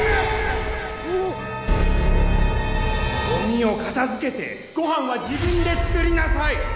ゴミを片づけてごはんは自分で作りなさい！